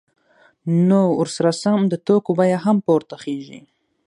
نو ورسره سم د توکو بیه هم پورته خیژي